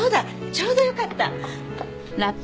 ちょうどよかった。